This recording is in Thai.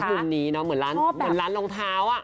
พรุ่งนี้เหมือนร้านรองเท้าอะ